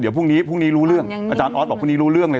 เดี๋ยวพรุ่งนี้เรียงอาจารย์บอกพรุ่งนี้รู้เรื่องเลย